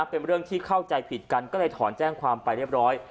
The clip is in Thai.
เป็นเรื่องที่เข้าใจผิดกันก็เลยถอนแจ้งความไปเรียบร้อย